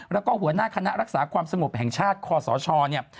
แล้วก็หัวหน้าคณะรักษาความสงบแห่งชาติคอสชเนี่ย